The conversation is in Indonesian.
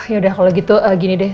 yaudah kalo gitu gini deh